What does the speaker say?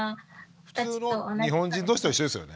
普通の日本人同士と一緒ですよね。